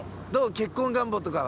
結婚願望とかは。